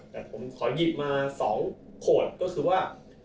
แต่ผมขอหยิบมา๒ขวดก็คือว่า